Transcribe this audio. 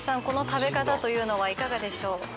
この食べ方というのはいかがでしょう？